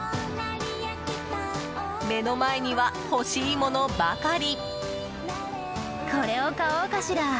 目の前には欲しいものばかり。